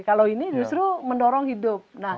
kalau ini justru mendorong hidup